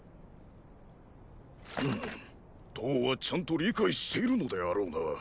うぅむ騰はちゃんと理解しているのであろうな。